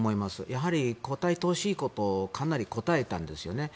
やはり答えてほしいことにかなり答えたんですよね。